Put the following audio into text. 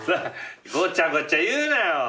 ごちゃごちゃ言うなよ。